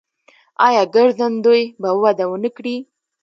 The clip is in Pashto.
آیا ګرځندوی به وده ونه کړي؟